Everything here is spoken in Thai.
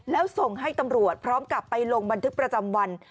แล้วส่งให้ตำรวจพร้อมกับไปลงบันทึกประจำวัน